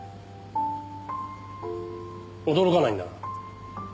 驚かないんだな。